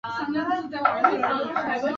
似椭圆碘泡虫为碘泡科碘泡虫属的动物。